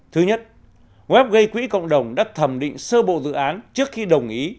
thứ nhất web gây quỹ cộng đồng đã thẩm định sơ bộ dự án trước khi đồng ý